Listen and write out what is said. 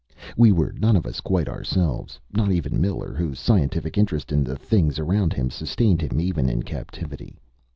We were none of us quite ourselves. Not even Miller, whose scientific interest in the things around him sustained him even in captivity.